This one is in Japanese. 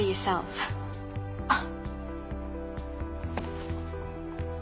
あっ。